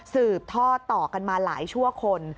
ท่อต่อกันมาหลายชั่วคน